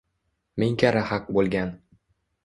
ming karra haq bo‘lgan.